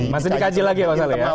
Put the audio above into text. masih dikaji lagi ya pak salih